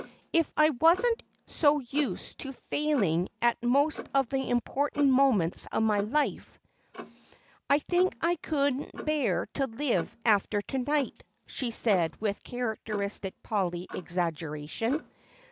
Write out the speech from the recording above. "If I wasn't so used to failing at most of the important moments of my life, I think I couldn't bear to live after to night," she said with characteristic Polly exaggeration.